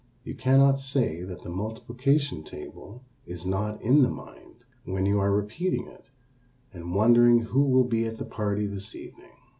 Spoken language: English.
You cannot say that the multiplication table is not in the mind when you are repeating it and wondering who will be at the party this evening.